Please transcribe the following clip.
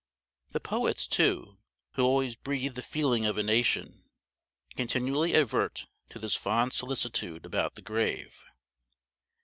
The poets, too, who always breathe the feeling of a nation, continually advert to this fond solicitude about the grave.